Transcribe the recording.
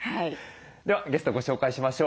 ではゲストをご紹介しましょう。